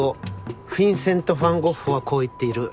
フィンセント・ファン・ゴッホはこう言っている。